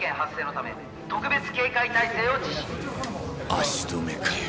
足止めかよ。